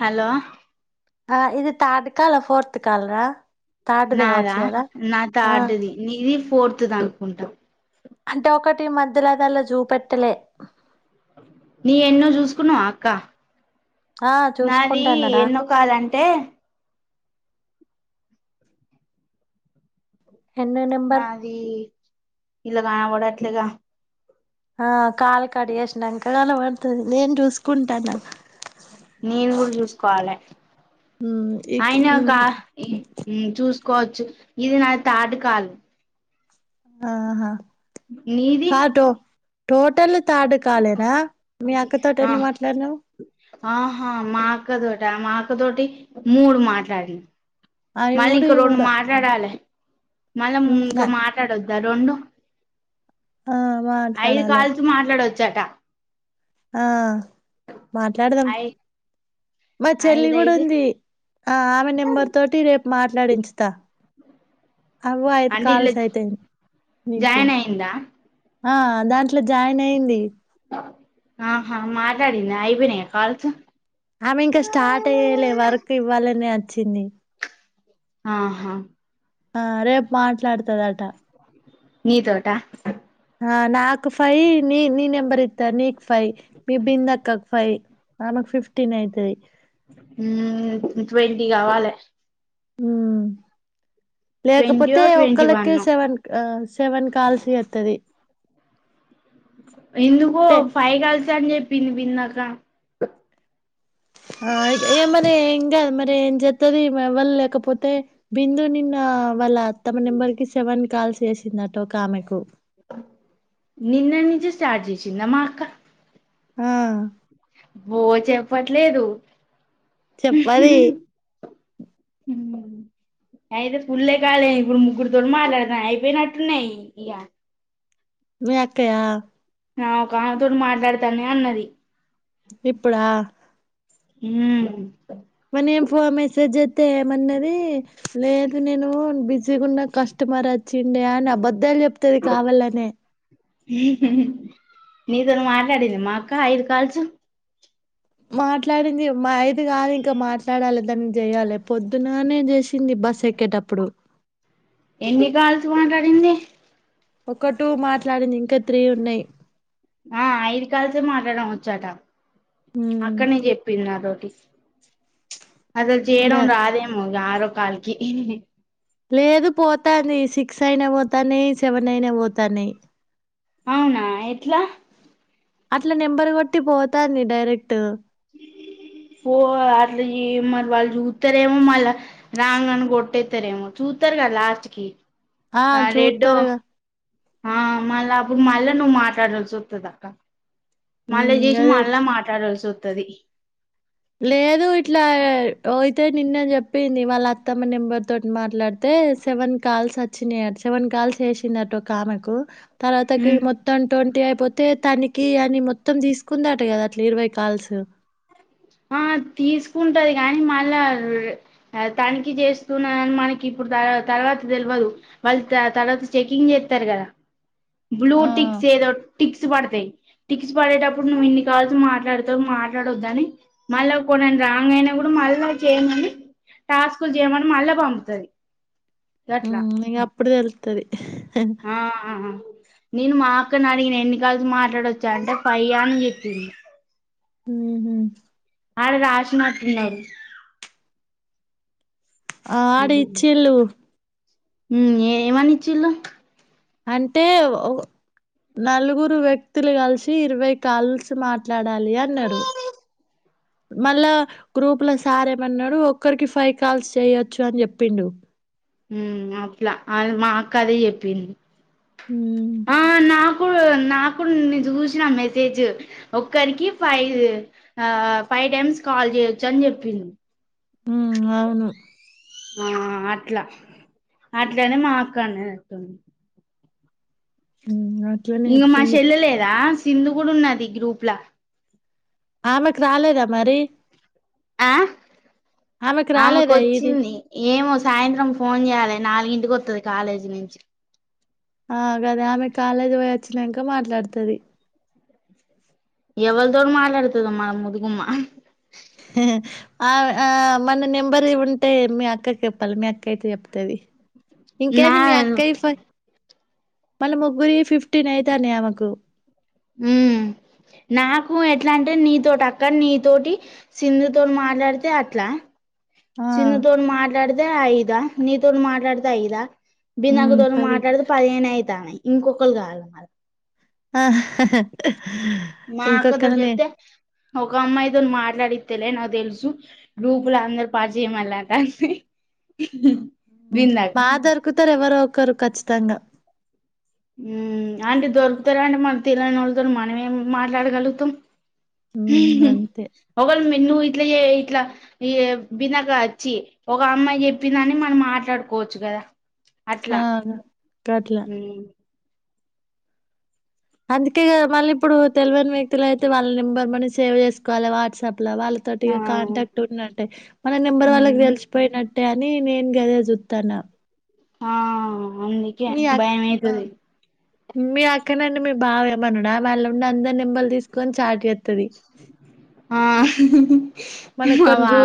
Hello ఆ ఇది third call fourth కాల రా థర్డ్ది కావచ్చు నాదా కదా నా ఆ థర్డ్ది నీది ఫోర్త్ది అనుకుంటా అంటే ఒకటి మధ్యలోదలా జుపెట్టలే నీ ఎన్నో చూసుకున్నావా అక్క ఆ నాది చూసుకుంటానరా ఎన్నో కాలంటే ఎన్ని నెంబర్ నాది ఇలా కాన పడట్లేగా ఆ కాలు కట్ చేసినక కన పడుతుంది నేను చూసుకుంటాను నేను కూడా చూసుకోవాలే ఉమ్ ఇక్ ఉమ్ అయినాకా ఏ ఉమ్ చూస్ కోచ్చు ఇది నా తాటు కాదు ఆహా నీది కాటో టోటల్ తాటు కాలేనా మీ అక్కతోటీ ఆ అన్ని మాట్లాడినావు ఆహా మా అక్కతోట ఆ మా అక్కతోటి మూడు మాట్లాడి అవి మళ్ళీ మూడు ఇంక ఈ రెండు మూడు మాట్లాడాలి మళ్ళీ ఉమ్ ఇంకా మాట్లాడొద్దు రెండు ఆ ఐదు మాట్లాడాలి కాల్సు మాట్లాడవచ్చాట ఆ మాట్లాడదాం అయి మా చెల్లి కూడా ఐదయితే ఉంది ఆ ఆమె నెంబర్ తోటి రేపు మాట్లాడించుతా అవ్వో ఐదు అంటే ఇలా కాల్స్ అయితాయి నీకు జాయిన్ అయిందా ఆ దాంట్లో జాయిన్ అయింది ఆహా మాటడింద అయిపోయినయ కాల్స్ ఆమె ఇంకా స్టార్ట్ అయ్యలే వర్క్ ఇవ్వాలనే వచ్చింది ఆహా ఆ రేపు మాట్లాడతదట నీ తోటా ఆ నాకు ఫైవ్ నీ నీ నెంబర్ ఇత్త నీకు ఫైవ్ మీ బిందక్కకు ఫై ఆమెకు ఫిఫ్టీన్ అయితాయ్ ఉమ్ ట్వంటీ కావాలె ఉమ్ ట్వంటీయో లేకపోతే ట్వంటీ వన్ ఒకళ్ళకి సెవెన్ సెవెన్ కాల్స్ చెత్తది ఎందుకు టే ఫై కాల్స్ అని చెప్పింది బిందక్కా ఆ ఏమనే మరి ఏం చెత్తది ఏవల్ లేకపోతే బిందు నిన్న వాళ్ళ అత్తమ నెంబర్ కి సెవెన్ వన్స్ కాల్ చేసిందట ఓకామెకు నిన్నటి నుంచే స్టార్ట్ చేసింద మాఅక్క ఆ ఓ చెప్పట్లేదు చెప్పది ఉమ్ అయితే ఫుల్లే కాలే ఇప్పుడు ముగ్గురు తొనీ మాట్లాడిన అయిపోయినట్టున్నాయి ఇగ మీ అక్కయ్య నా ఒక ఆమెతోని మాట్లాడతానే అన్నది ఇప్పుడా ఉమ్ తేమన్నది లేదు నేను బిస్ సీగా ఉన్న కస్టమర్ వచ్చిండే అని అబద్దాలు చెప్తుది కావాలనే నీతోని మాట్లాడింది మా అక్క ఐదు కాల్స్ మాట్లాడింది మా ఐది కాదు ఇంకా మాట్లాడాలి దాన్ని చేయాలి పొద్దుననే చేసింది బస్ ఎక్కేటప్పుడు ఎన్ని కాల్స్ మాట్లాడింది ఒక్క టూ మాట్లాడింది ఇంకా త్రీ ఉన్నాయి ఆ ఐదు కాల్స్ ఏ మాట్లాడం వచ్చాట ఉమ్ అక్కనే చెప్పింది నాతో టీ అసల్ చేయడం ఇంకా రాదేమో ఇగ ఆరో కాల్ కి లేదు పోతాంది సిక్స్ అయిన పోతానాయి సెవెన్ అయిన పోతానాయి అవునా ఎట్లా అట్లా నెంబర్ కొట్టి పోతంది డైరెక్ట్ పో అట్ మరి వాళ్ళు చూత్తరేమో మళ్ళ రాంగని కొట్టేతారేమో చూత తార్ కదా లాస్ట్కి ఆ చూత్తరుగా ఆ మళ్ళా అపుడు మళ్ళా నువ్వు మాట్లాడాల్సి వత్తది అక్క మళ్ళా ఉమ్ చేసి గదే మళ్ళా మాట్లాడాల్సి వత్తాది లేదు ఇట్లా ఓయితే నిన్న చెప్పింది వాళ్ళ అత్తమ్మ నెంబర్ తోటి మాట్లా అయితే సెవెన్ కాల్స్ వచ్చినాయి సెవెన్ కాల్స్ చేశిందట ఒక ఆమెకు తర్వాతకి మొత్తం ట్వంటీ అయిపో తే తనికి అని మొత్తం తీసుకుందాట కదా అట్లా ఇరవై కాల్స్ ఆ తీసుకుంటది కాని మళ్ళా తనిఖీ చేస్తున్నాని మనకి ఇప్పుడు తర్ తర్వాత తెల్వదు వాళ్ళు తర్వాత చెకింగ్ చేత్త రు కదా ఆ బ్లూటిక్స్ ఏదో టిక్స్ పడతాయి టిక్స్ పడేటప్పుడు నువ్వు ఇన్ని కాల్సి మాట్లాడుతావు మాట్లాడొద్దని మళ్ళా కొన్ని రాంగ్ అయినవి కూడా మళ్ళా చేయమని టాస్కులు చేయమని మళ్ళా పంపుతది గట్లా ఉమ్, ఇంక అప్పుడు తెలుస్తుంది ఆ నేను మా అక్కను అడిగిన ఎన్నికల్సి మాట్లాడవచ్చా అంటే ఫైవ్యా అని చెప్పింది ఉమ్ హ్మ్ ఆడ రాశినట్టున్నావ్ ఆడ ఇచ్చిలుు ఉమ్ ఎ ఏమని ఇచిల్లు అంటే ఒ నలుగురు వ్యక్తులు కలిసి ఇరవై కాల్స్ మాట్లాడాలి అన్నారు మళ్ళా గ్రూప్ లో సార్ ఏమన్నాడు ఒక్కరికి ఫైవ్ కాల్స్ చెయొచ్చు అని చెప్పిండు ఉమ్ అప్పులా అ మా అక్క అదే చెప్పింది హ్మ్ ఆ నాకు నాకుడా నిన్న చూసిన మెసేజ్ ఒరికి ఫైవ్ ఫైవ్ టైమ్స్ కాల్ చేయొచ్చు అని చెప్పింది ఉమ్ అవును ఆ అట్లా అట్లనే మా అక్కనేటుంది హ్మ్. అట్లనే ఇంక మా చెప్పింది. చెెల్ల లేదా సింధు కూడా ఉన్నది ఈ గ్రూప్లా ఆమెకు రాలేదా మరి ఆహ్ ఆమెకు రాలేదా ఇది? వచ్చింది ఏమో సాయంత్రం ఫోన్ చేయాలి నాలుగి కి కొత్తది కాలేజీ నుంచి ఆ గదా ఆమె కాలేజ్ పోయ వచ్చినాంక మాట్లాడుతది ఎవలతోటి మాట్లాడుతది మ ముదుగుమ్మా ఆ ఆ ఆ మన నెంబర్ ఉంటే మీ అక్కకి చెప్పాలి మీ అక్క అయితే చెప్తది. నా ఇంకేంది మీ అక్క ఇ ఫ మళ్ల ముగ్గురీ ఫిఫ్టీన్ అయితంది ఆమెకు హుమ్ నాకు ఎట్లా అంటే నీతోటి అక్క నీతోటి సింధుతోటి మాట్లాడితే అట్లా ఆ! సింధు తోన్ మాట్లాడితే ఐదా నీ తోన్ మాట్లాడితే ఐదా బి నాకు హ్మ్. తో పది మాట్లాడితే పదిహేను అయితాన్నాయి ఇంకొకరు కావాల మరి ఆ అక్కతోటి ఇంకొక్కన్నాయే చెప్తే ఒక అమ్మాయితో మాట్లాడిత్తేలె నాకు తెలుసు. గ్రూపులు అందరు పాటు చేయమళ్ళట అ విందకా త్తారు ఎవరో ఒకరు ఖచ్చితంగా అంటే దొరుకుతారా అంటే మన తెలని వాళ్ళతో మనమేం మాట్లాడగలుగుతాం. హ్మ్. అంతే. ఎవ్వరు ఇందు ఇట్ల చేయా ఇట్లా ఈ బినక వచ్చి ఒక అమ్మాయి చెప్పిందని మనం మాట్లాడుకోవచ్చు కదా ఆ! అట్లా గట్ల. అందుకే కదా మళ్ళ ఇప్పుడు తెలివైన వ్యక్తులు అయితే వాళ్ళ నెంబర్ మని సేవ్ చేసుకోవాలి వాట్సాప్ వాళ్ళతోటి ఆ కాంటాక్ట్ ఉన్న అంటే మన నెంబర్ వాళ్ళకి ఉమ్ తెలిసిపోయినట్ అంటే అని నేను గద చుతన్న ఆ అందికే ఆ భయంమేతది మీ అక్క నుండి మీ బావ ఏమన్నాడా వాళ్ళ ఉండి అందరు నేంబర్లు తీసుకొని చాట్ చేస్త తది ఆ మవా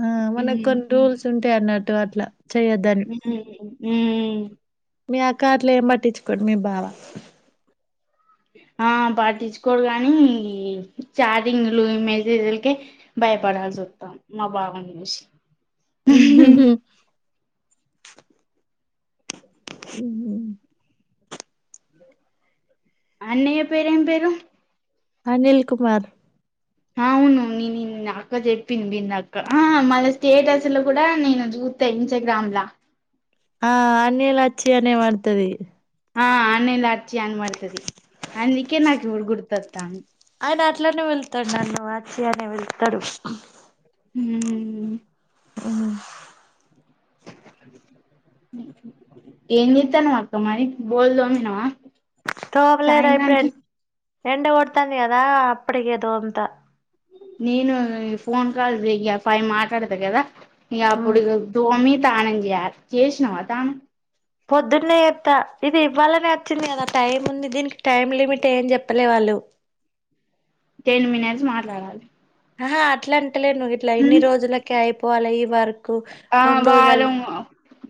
ఊ వాళ్ళకి కొన్నీ రూల్స్ ఉంటాయ అన్నట్టు అట్లా చేయొద్దని ఊ మీ ఆ కార్లో ఏం పట్టించుకోండి మీ బావ ఆ పాటించుకోరు గానీ చాటింగ్లు ఇ మేసేజలక్కే భయపడత రా చూద్దాం మా బావ విష [unintelligible] ము అన్నయ్య పేరేం పేరు అనిల్ కుమార్ అవును నీ న అక్క చెప్పింది బింద అక్క మళ్ స్టేటస్ లో కూడా నేను చూ త్త ఏం చేద్దామల్లా ఆ అన్నిలచ్చి అనే మంతివి ఆ అనేలి ఆడ్చి అంగ్మాతది అందుకే నాక గుర్తుతోంది అంది ఆయన అట్లనే వెళ్తాడు నన్ను వచ్చి అనే వెళ్తాడు హు హమ్ అవు ఎంచెత్తన్నవాక్క మరి బోల్దు తొమీనవా తోవలే రా ఏండ కొడతన్ది కదా అప్పటికి దోమంతా నేను ఫోన్ కాల్ ఫై మాట్లాడతా కదా ఇక అప్పుడు దోమి తనంచేయాలి చేసినవా తాను పొద్దున్న ఎత్తా ఇది ఇవ్వాలని వచ్చింది కదా టైం ఉంది దీనికి టైమ్ లిమిట్ ఏని చెప్పలే వాళ్ళు. టెన్ మినిట్స్ మాట్లాడాలి ఆహా అట్లా అంటలే నువ్వు ఇట్లా ఇన్ని ఉమ్ రోజులకే అయిపోవాలి ఈ వర్క్ కుక్స్ ఆ రెండు రోజుల వారం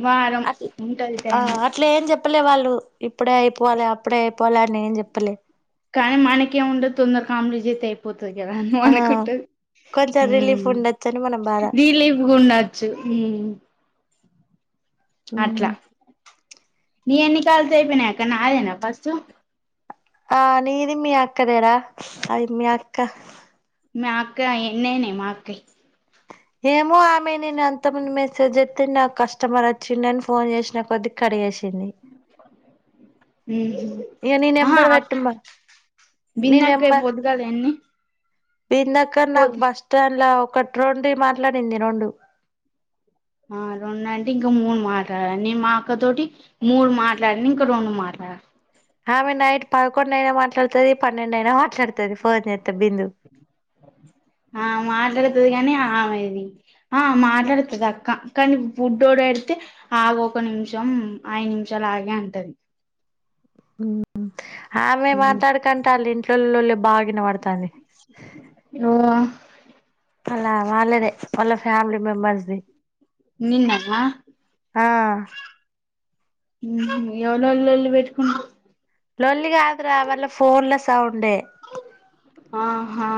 వారం ఉంటది అ టైం అట్లా ఏం చె చెప్పలే వాళ్ళు ఇప్పుడే అయిపోవాలి అప్పుడే అయిపోవాలి అని నేం చెప్పలే కానీ మనకేం ఉండదు తొందర కామెడీ చేస్తే అయిపోతుంది ఆ మన కుట్ట కొంచెం రిలీఫ్ ఉండొచ్చని మన బాధ రీలిపు ఉండొచ్చు ఉ అట్లా నీ ఎన్ని కాల్స్ అయిపోయినా అక్క నాదేనా ఫస్ట్ ఆ నిధి మీ అక్కదరా అక్క మా అకా ఎన్ననే మా అక్కయ్ ఏమో ఆమె నేను అంతమంది మెసేజ్ చెప్తే నాకు కస్టమర్ వచ్చిండ అని ఫోన్ చేసిన కొద్ది క చేసింది ఇగ నీ హ నెంబర్ పెట్టమ నీ బిందు అక్కై పొద్దుగాల ఎన్ని బిందు అక్క నాకు పొద్ బస్ స్టాండ్ ఒకటి రెండి మాట్లాడింది రెండు ఆ రెండు అంటే ఇంకా మూడు మాటే మా అక్క తోటి మూడు మాట్లాడిని ఇంకా రెండు మాటలు ఆ ఆమె నైట్ పదకొం అైనా మాట్లాడుతుది పన్నెండు అయినా చడతుది ఫోన్ చేస్తే బిందు అమది ఆ మాట్లాడుతుంది అక్క కానీ బుడ్డోడు ఏడిస్తే ఆగ ఒక నిమిషం మొత్తం ఐదు నిమిషాలు ఆగే అంటది ఆమె మాట్లాడకంటే వాళ్ళ ఇంట్లో బాగా వినబడతాంది ఓ అలా వాళ్ళేదే వాళ్ళ ఫ్యామిలీ మెంబెర్స్ది నిన్నమ్మా ఎవరెవరో లొల్లి పెట్టుకుంటారు లోలొల్లిగాదురా వళ్ళ ఫోన్ల సౌండే హా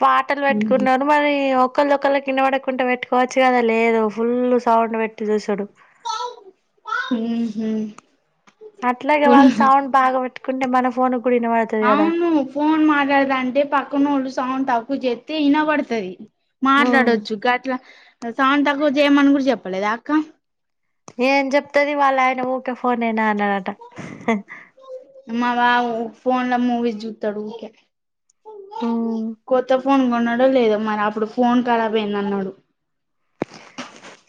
పాటలు పెట్టుకున్నారు మరి ఒకళ్ళొళ్ళ కిన్న పడకుంంటడా పెట్టుకోవచ్చు కదా లేదు ఫుల్ సౌండ్ పెట్టి చూశాడు హ హ అట్లాగే వాళ్ళు సౌండ్ బాగా పెట్టుకుంటే మన ఫోన్ కూడా వినబడుతది కదా అవును ఫోన్ మాట్లాడద అంటే పక్కనోళ్ళు సౌండ్ తక్కువ చెత్తే ఇనబడుతది ఉమ్ మాట్లాడొచ్చు గట్లా సౌండ్ తక్కువ చేయమని కూడా చెప్పలేద అక్క ఏం చెప్తది వాళ్ళ ఆయన ఊకె ఫోన్నేనా అన్నడట మా మావ ఫోన్ లో మూవీస్ జుత్తడు ఊకె ఉమ్ కొత్త ఫోన్ కొన్నాడు లేదో మరి అప్పుడు ఫోన్ కారబ్ అయిందన్నడు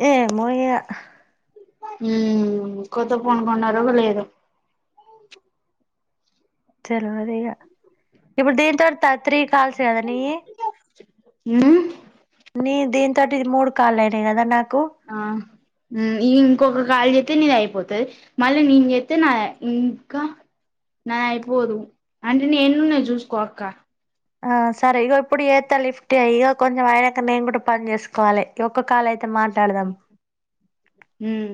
ఏమో ఇగ ఉమ్ కొత్త ఫోన్ కొన్నారో లేదో తెలవదిగా, ఇప్పుడు దీంతో త త్రీ కాల్స్ కదా నియ్యి ఉమ్ నియి దానితోటి మూడు కల్లు అయినా కదా నాకు ఆ ఉమ్ ఇంకొక కాల్ జేతే నిది అయిపో పోతుది మళ్ళ నెన్ జేతే నాయి అయిపో నాయి ఇంకా నాయి అయిపోదు అంటే నే ఎన్నున్నాయి చూసుకో అక్క ఆ సరే ఇక ఇప్పుడు ఏత లిఫ్ట్ చెయ్యి ఇక కొంచెం అయనాక నేను కూడా పని చేసుకోవాలి ఒక్క కాలై మాట్లాడదాం ఉమ్